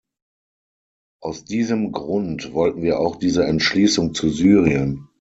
Aus diesem Grund wollten wir auch diese Entschließung zu Syrien.